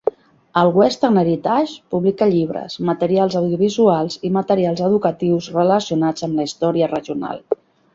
El Western Heritage publica llibres, materials audiovisuals i materials educatius relacionats amb la història regional.